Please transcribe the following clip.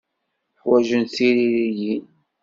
Ḥwajent tiririyin.